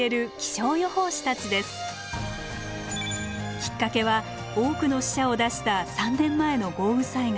きっかけは多くの死者を出した３年前の豪雨災害。